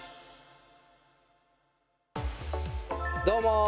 どうも！